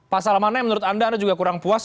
pasal mana yang menurut anda anda juga kurang puas